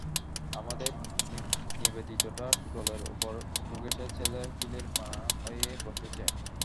আমাদের নিবেদিতা টুটলের ও বোগেশের ছেলেপিলের মা হয়ে বসেছে।